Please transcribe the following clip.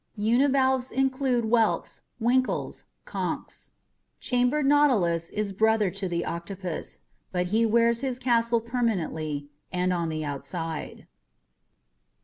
Univalves include whelks, winkles, conchs. Chambered nautilus is brother to the octopus, but he wears his castle permanently and on the outside.